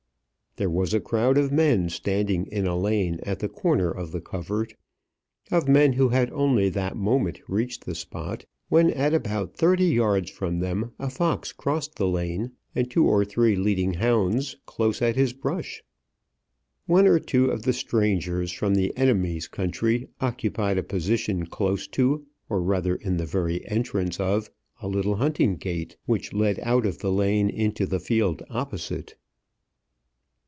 There was a crowd of men standing in a lane at the corner of the covert, of men who had only that moment reached the spot, when at about thirty yards from them a fox crossed the lane, and two or three leading hounds close at his brush. One or two of the strangers from the enemy's country occupied a position close to, or rather in the very entrance of, a little hunting gate which led out of the lane into the field opposite.